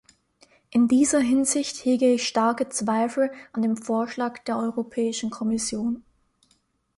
In dieser Hinsicht hege ich starke Zweifel an dem Vorschlag der Europäischen Kommission.